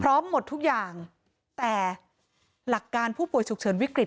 หมดทุกอย่างแต่หลักการผู้ป่วยฉุกเฉินวิกฤต